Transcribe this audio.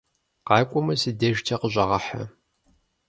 Къакӏуэмэ, си дежкӀэ къыщӀэгъэхьэ.